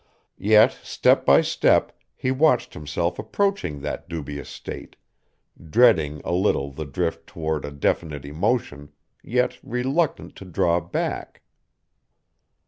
Yet step by step he watched himself approaching that dubious state, dreading a little the drift toward a definite emotion, yet reluctant to draw back.